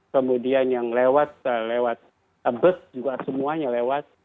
kemudian yang lewat bus juga semuanya lewat